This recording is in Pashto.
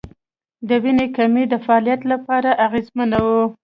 د وینې کمی د زړه فعالیت اغېزمنوي.